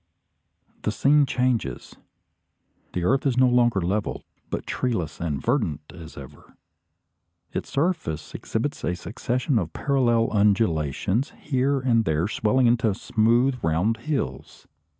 The scene changes. The earth is no longer level, but treeless and verdant as ever. Its surface exhibits a succession of parallel undulations, here and there swelling into smooth round hills.